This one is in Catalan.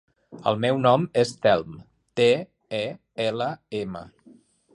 El meu nom és Telm: te, e, ela, ema.